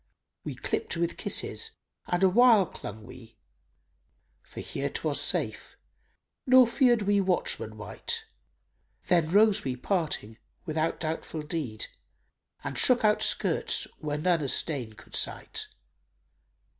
We clipt with kisses and awhile clung we, * For here 'twas safe; nor feared we watchman wight: Then rose we parting without doubtful deed * And shook out skirts where none a stain could sight."